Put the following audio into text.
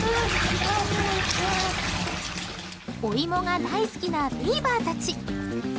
お芋が大好きなビーバーたち。